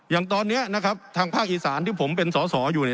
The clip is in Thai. อย่างตอนนี้นะครับทางภาคอีสานที่ผมเป็นสอสออยู่